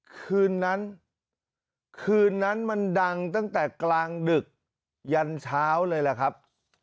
คืนนั้นคืนนั้นมันดังตั้งแต่กลางดึกยันเช้าเลยล่ะครับ